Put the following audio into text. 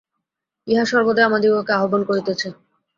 ইহা সর্বদাই আমাদিগকে আহ্বান করিতেছে।